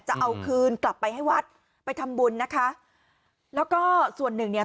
จะเอาคืนกลับไปให้วัดไปทำบุญนะคะแล้วก็ส่วนหนึ่งเนี่ย